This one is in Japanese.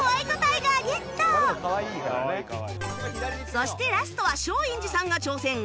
そしてラストは松陰寺さんが挑戦